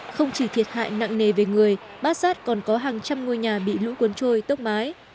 không chỉ thiệt hại nặng nề về người bát sát còn có hàng trăm ngôi nhà bị lũ cuốn trôi tốc mái